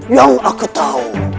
yang aku tahu